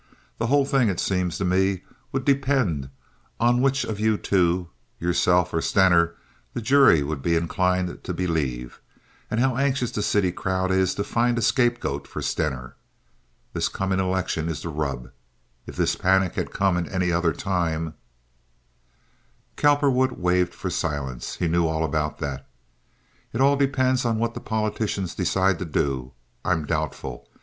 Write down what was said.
The whole thing, it seems to me, would depend on which of you two—yourself or Stener—the jury would be inclined to believe, and on how anxious this city crowd is to find a scapegoat for Stener. This coming election is the rub. If this panic had come at any other time—" Cowperwood waved for silence. He knew all about that. "It all depends on what the politicians decide to do. I'm doubtful.